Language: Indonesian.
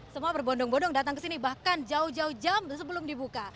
semua berbondong bondong datang ke sini bahkan jauh jauh jam sebelum dibuka